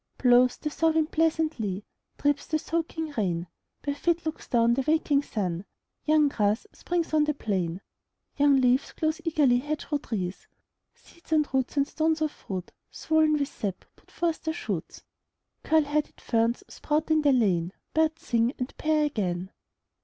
Blows the thaw wind pleasantly, Drips the soaking rain, By fits looks down the waking sun: Young grass springs on the plain; Young leaves clothe early hedgerow trees; Seeds, and roots, and stones of fruits, Swollen with sap, put forth their shoots; Curled headed ferns sprout in the lane; Birds sing and pair again.